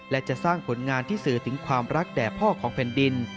และจะสร้างผลงานที่สื่อถึงความรักแด่พ่อของแผ่นดิน